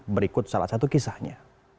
berikut salah satu kisahnya